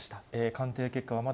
鑑定結果はま